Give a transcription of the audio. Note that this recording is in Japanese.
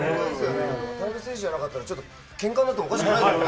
渡邊選手じゃなかったら、ちょっとけんかになってもおかしくないよね。